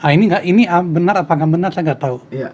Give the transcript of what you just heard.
ini enggak ini benar apa enggak benar saya nggak tahu